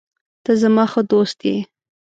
ته زما ښه دوست یې.